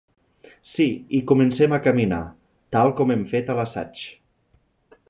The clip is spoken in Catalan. Sí, i comencem a caminar, tal com hem fet a l'assaig.